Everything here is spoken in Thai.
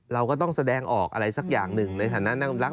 เราก็ต้องแสดงออกอะไรสักอย่างหนึ่งในฐานะนั่งรัก